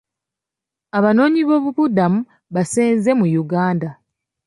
Abanoonyiboobubudamu baasenze mu Uganda.